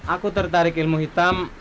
aku tertarik ilmu hitam